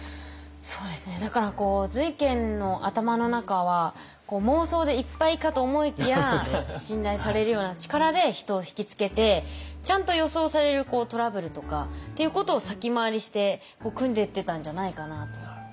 そうですねだから瑞賢の頭の中は妄想でいっぱいかと思いきや信頼されるような力で人をひきつけてちゃんと予想されるトラブルとかっていうことを先回りしてくんでってたんじゃないかなと。